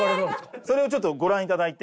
それをちょっとご覧いただいて。